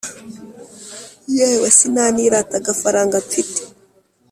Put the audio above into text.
Yewe sinanirata agafaranga mfite